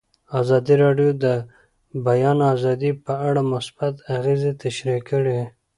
ازادي راډیو د د بیان آزادي په اړه مثبت اغېزې تشریح کړي.